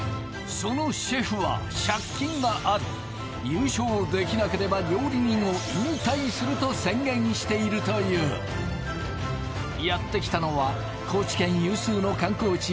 そのシェフは借金があり優勝できなければ料理人を引退すると宣言しているというやって来たのは高知県有数の観光地